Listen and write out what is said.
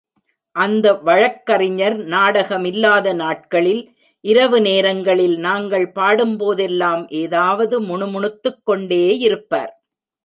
அந்த வழக்கறிஞர், நாடக மில்லாத நாட்களில் இரவு நேரங்களில் நாங்கள் பாடும்போதெல்லாம் ஏதாவது முணு முணுத்துக் கொண்டேயிருப்பார்.